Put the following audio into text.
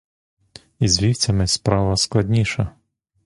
Із вівцями справа складніша.